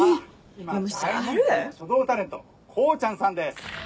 今大人気の書道タレントこーちゃんさんです。